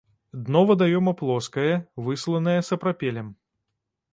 Дно вадаёма плоскае, высланае сапрапелем.